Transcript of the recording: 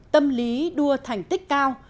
tâm lý đua thành tích cao